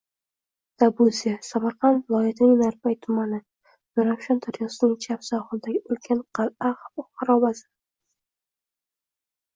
Dabusiya – Samarqand viloyatining Narpay tumani. Zarafshon daryosining chap sohilidagi ulkan qal’a xarobasi.